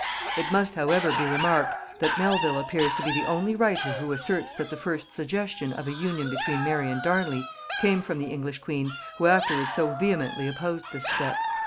It must however be remarked, that Melvil appears to be the only writer who asserts that the first suggestion of an union between Mary and Darnley came from the English queen, who afterwards so vehemently opposed this step.